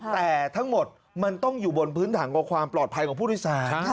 แต่ทั้งหมดมันต้องอยู่บนพื้นฐานกว่าความปลอดภัยของผู้โดยสาร